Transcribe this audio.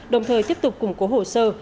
đồng thời tiếp tục củng cố hồ sơ